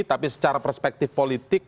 tapi secara perspektif politik